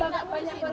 lagi gak berhenti